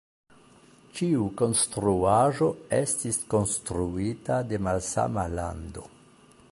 Ĉiu konstruaĵo estis konstruita de malsama lando.